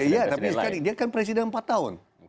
ya tapi dia kan presiden empat tahun